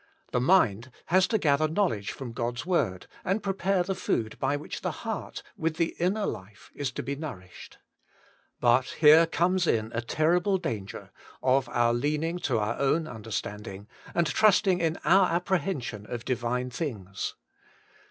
The mind has to gather knowledge from God's word, and pre pare the food by which the heart with the inner life is to be nourished. But here comes in a terrible danger, of our leaniug to our own under standing, and trusting in our apprehension of divine things.